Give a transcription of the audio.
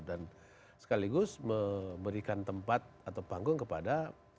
dan sekaligus memberikan tempat atau panggung kepada agus harimau